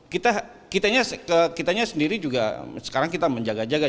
kita kitanya kitanya sendiri juga sekarang kita menjaga jaga